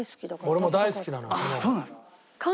俺も大好きなのよ卵。